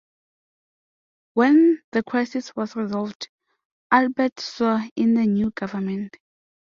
When the crisis was resolved, Albert swore in the new government.